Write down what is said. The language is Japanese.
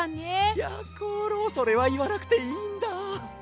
やころそれはいわなくていいんだ。